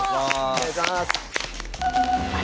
お願いします。